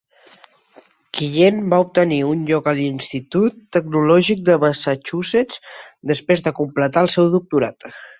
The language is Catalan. Quillen va obtenir un lloc a l'Institut Tecnològic de Massachusetts després de completar el seu doctorat.